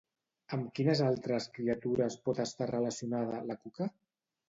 Amb quines altres criatures pot estar relacionada, la Cuca?